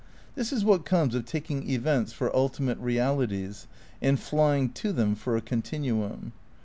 This is what comes of taking events for ultimate realities and flying to them for a continuum.